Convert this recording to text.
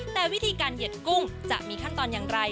แต่วิธีการเหยียดกุ้งจะมีขั้นตอนอย่างไร